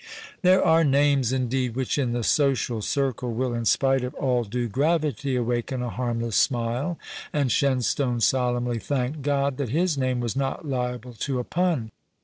There are names, indeed, which in the social circle will in spite of all due gravity awaken a harmless smile, and Shenstone solemnly thanked God that his name was not liable to a pun.